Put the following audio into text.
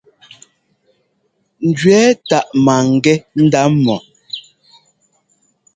Ŋjʉɛ́ táʼ maŋgɛ́ ndá mɔ.